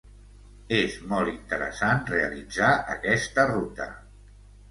És molt interessant realitzar aquesta ruta.